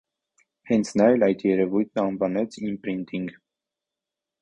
Հենց նա էլ այդ երևույթն անվանեց իմպրինտինգ։